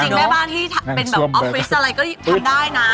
แม่บ้านที่เป็นแบบออฟฟิศอะไรก็ทำได้นะ